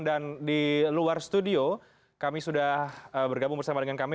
dan di luar studio kami sudah bergabung bersama dengan kami